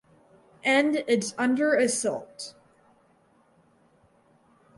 And it’s under assault.